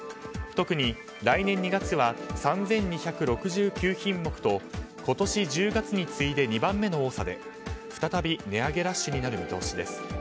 特に来年２月は３２６９品目と今年１０月に次いで２番目の多さで再び値上げラッシュになる見通しです。